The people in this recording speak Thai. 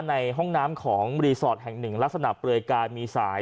ในห้องน้ำของรีสอร์ทแห่งหนึ่งลักษณะเปลือยกายมีสาย